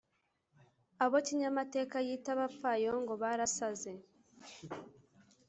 abo kinyamateka yita abapfayongo barasaze